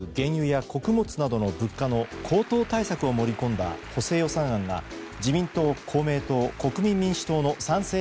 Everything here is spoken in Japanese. ウクライナ情勢に伴う原油や穀物などの物価の高騰対策を盛り込んだ補正予算案が自民党、公明党、国民民主党の賛成